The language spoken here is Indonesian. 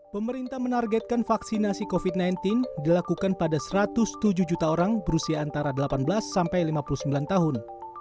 pemerintah menargetkan vaksinasi covid sembilan belas dilakukan pada satu ratus tujuh juta orang berusia antara delapan belas sampai lima puluh sembilan tahun